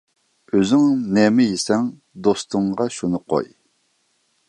ئۆزۈڭ نېمە يېسەڭ، دوستۇڭغا شۇنى قوي.